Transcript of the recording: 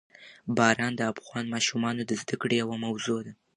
باران د افغان ماشومانو د زده کړې یوه موضوع ده.